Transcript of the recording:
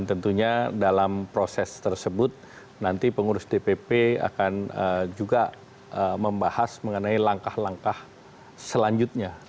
dan tentunya dalam proses tersebut nanti pengurus dpp akan juga membahas mengenai langkah langkah selanjutnya